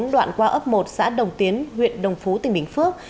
đoạn qua ấp một xã đồng tiến huyện đồng phú tỉnh bình phước